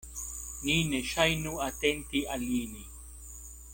Ni ne ŝajnu atenti al ili.